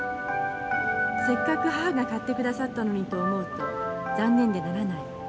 せっかく母が買ってくださったのにと思うと残念でならない。